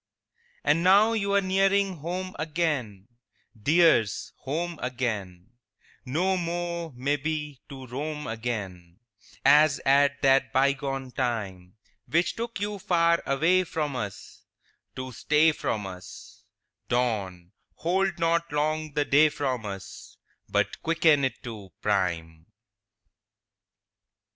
IV And now you are nearing home again, Dears, home again; No more, may be, to roam again As at that bygone time, Which took you far away from us To stay from us; Dawn, hold not long the day from us, But quicken it to prime!